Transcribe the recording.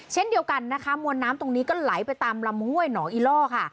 เช่นเดียวกันนะคะมวลน้ำตรงนี้ก็ไหลไปตามลำห้วยหนองอีล่อค่ะ